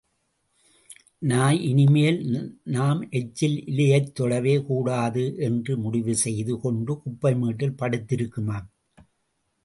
நாய், இனிமேல் நாம் எச்சில் இலையைத் தொடவே கூடாது என்று முடிவு செய்து கொண்டு குப்பை மேட்டில் படுத்திருக்குமாம்.